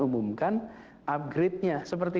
umumkan upgradenya seperti